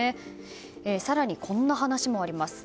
更に、こんな話もあります。